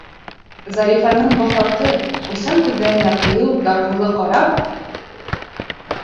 Зарифаның баҫалҡы, уйсан күҙҙәренә ҡыйыу, ярһыулы ҡарап: